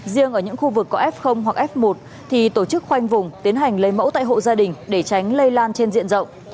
riêng ở những khu vực có f hoặc f một thì tổ chức khoanh vùng tiến hành lấy mẫu tại hộ gia đình để tránh lây lan trên diện rộng